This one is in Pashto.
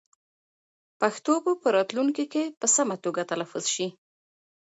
پښتو به په راتلونکي کې په سمه توګه تلفظ شي.